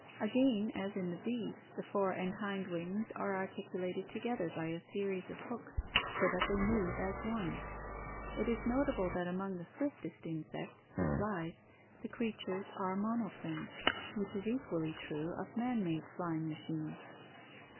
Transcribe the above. Again, as in the bees, the fore and hind wings are articulated together by a series of hooks so that they move as one. It is notable that among the swiftest insects, the flies, INSECTS 45 1 the creatures are monoplanes, which is equally true of man made flying machines.